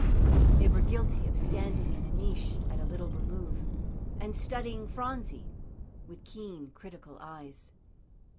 They were guilty of standing in a niche at a little remove, and studying Phronsie with keen, critical eyes.